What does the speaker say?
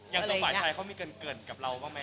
ตัวหมากร้ายแชร์เขามีเกินเกินกับเราบ้างไหม